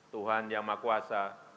tuhan yang maha kuasa